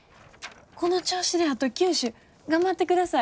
この調子であと９首頑張ってください。